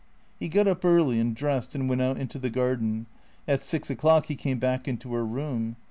He got up early and dressed and went out into the garden. At six o'clock he came back into her room..